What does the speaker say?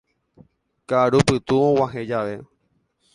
Ka'arupytũ og̃uahẽ jave